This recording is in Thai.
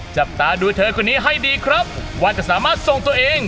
จับตาดูเธอคนนี้ให้ดีครับว่าจะสามารถส่งตัวเอง